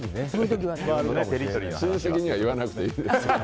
親戚には言わなくていいですよ。